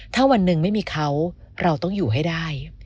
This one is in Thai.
ถ้าวันหนึ่งไม่มีเขาเราต้องอยู่ให้ได้